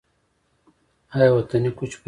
آیا وطني کوچ پیدا کیږي؟